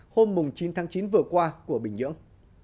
hôm chín tháng chín vừa qua của bình nhưỡng